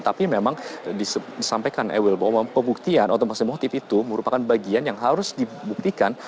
tapi memang disampaikan ewil bahwa pembuktian atau masih motif itu merupakan bagian yang harus dibuktikan